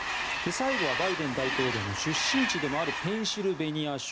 最後はバイデン大統領の出身地でもあるペンシルベニア州。